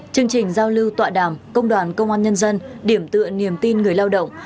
chương trình giao lưu tọa đàm công đoàn công an nhân dân điểm tựa niềm tin người lao động